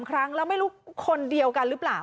ครั้งแล้วไม่รู้คนเดียวกันหรือเปล่า